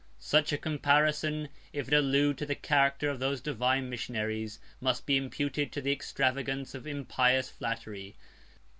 71 Such a comparison, if it allude to the character of those divine missionaries, must be imputed to the extravagance of impious flattery.